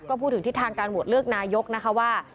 ก็พูดถึงทิศทางการโหวตเลือกนายกนะคะว่า